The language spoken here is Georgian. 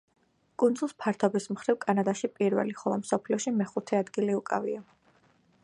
კუნძულს ფართობის მხრივ კანადაში პირველი, ხოლო მსოფლიოში მეხუთე ადგილი უკავია.